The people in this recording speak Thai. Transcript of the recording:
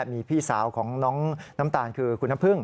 มีพี่สาวของน้องน้ำตาลคือคุณน้ำพึ่ง